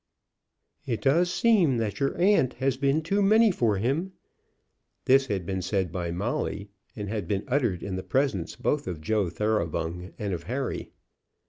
"It does seem that your aunt has been too many for him." This had been said by Molly, and had been uttered in the presence both of Joe Thoroughbung and of Harry.